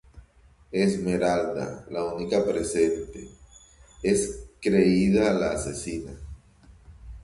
Esmeralda, la única presente, es creída la asesina.